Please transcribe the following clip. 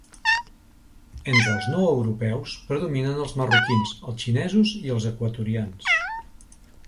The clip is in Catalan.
Entre els no europeus, predominen els marroquins, els xinesos i els equatorians.